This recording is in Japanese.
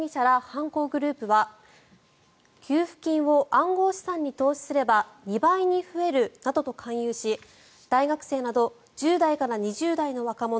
犯行グループは給付金を暗号資産に投資すれば２倍に増えるなどと勧誘し大学生など１０代から２０代の若者